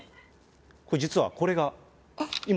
これ実は、これが今、え？